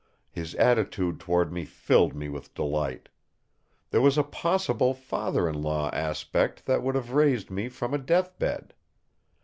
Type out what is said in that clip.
His attitude towards me filled me with delight. There was a possible father in law aspect that would have raised me from a death bed.